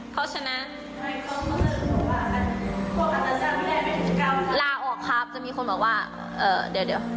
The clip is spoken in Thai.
เขาชนะลาออกครับจะมีคนบอกว่าเอ่อเดี๋ยวเดี๋ยว